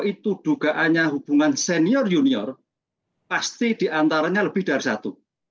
itu dugaannya hubungan senior junior pasti diantaranya lebih dari satu